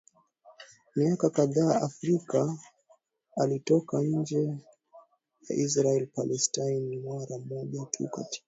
miaka kadhaa Afrika Alitoka nje ya Israeli Palestina mara moja tu katika